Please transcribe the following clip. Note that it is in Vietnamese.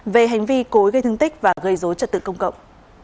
về hành vi cối gây thương tích và gây dối trật tự công cộng